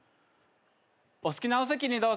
お好きなお席にどうぞ。